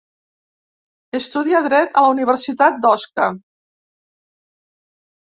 Estudià dret a la Universitat d’Osca.